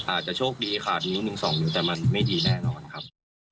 อาจจะโชคดีขาดนิ้ว๑๒นิ้วแต่มันไม่ดีแน่นอนครับ